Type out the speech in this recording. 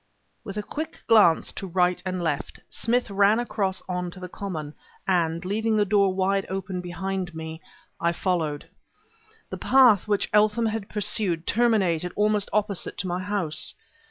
With a quick glance to right and left, Smith ran across on to the common, and, leaving the door wide open behind me, I followed. The path which Eltham had pursued terminated almost opposite to my house.